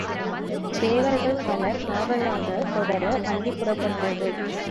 சேவகர்கள் பலர் காவலாகத் தொடர வண்டி புறப்பட்டது.